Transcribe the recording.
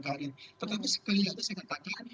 karir tetapi sekali lagi saya katakan